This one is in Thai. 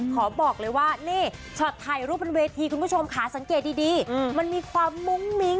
ขอบอกเลยว่านี่ช็อตถ่ายรูปบนเวทีคุณผู้ชมค่ะสังเกตดีมันมีความมุ้งมิ้ง